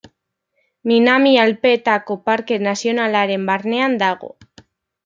Minami Alpeetako Parke Nazionalaren barnean dago.